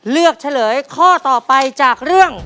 เฉลยข้อต่อไปจากเรื่อง